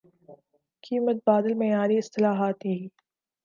کی متبادل معیاری اصطلاحات یہی